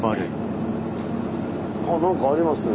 あっ何かありますね。